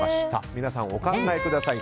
皆さん、お考えください。